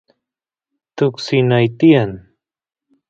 tuksi nay tiyan